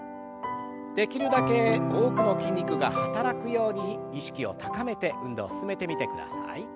できるだけ多くの筋肉が働くように意識を高めて運動を進めてみてください。